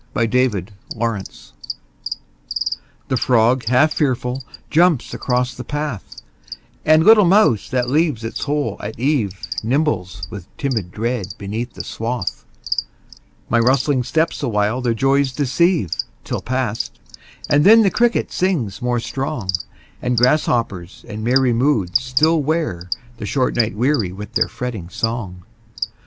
Summer Evening The frog half fearful jumps across the path, And little mouse that leaves its hole at eve Nimbles with timid dread beneath the swath; My rustling steps awhile their joys deceive, Till past, and then the cricket sings more strong, And grasshoppers in merry moods still wear The short night weary with their fretting song.